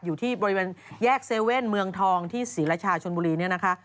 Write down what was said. อยู่ที่บริเวณแยก๗๑๑เมืองทองที่ศรีรชาชนบุรีเนี่ยนะคะ